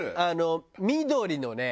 緑のね